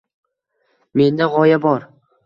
Menda g‘oya bor